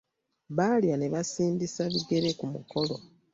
Baalya ne basindiisa bigere ku mukolo.